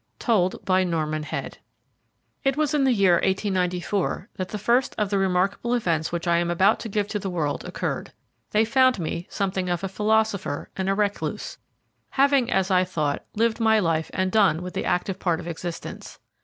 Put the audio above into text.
TOLD BY NORMAN HEAD. IT was in the year 1894 that the first of the remarkable events which I am about to give to the world occurred. They found me something of a philosopher and a recluse, having, as I thought, lived my life and done with the active part of existence.